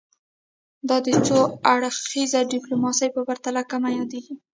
دا د څو اړخیزه ډیپلوماسي په پرتله کمه یادیږي